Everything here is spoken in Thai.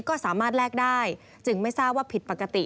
ก็สามารถแลกได้จึงไม่ทราบว่าผิดปกติ